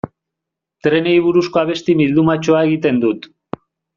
Trenei buruzko abesti bildumatxoa egiten dut.